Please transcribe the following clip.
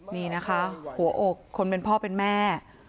นี่นะคะหัวอกคนเป็นพ่อเป็นแม่